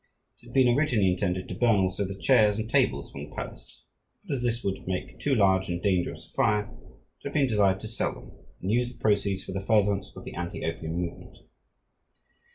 It had been originally intended to burn also the chairs and tables from the palace, but as this would make too large and dangerous a fire it had been decided to sell these and use the proceeds for the furtherance of the anti opium movement.